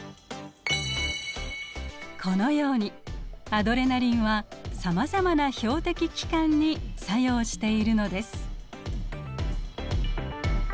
このようにアドレナリンはさまざまな標的器官に作用しているのです。